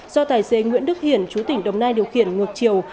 do tài xế nguyễn đức hiển chú tỉnh đồng nai điều khiển ngược chiều